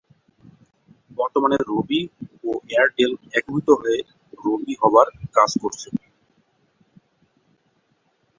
বর্তমানে রবি ও এয়ারটেল একীভূত হয়ে রবি হবার কাজ করছে।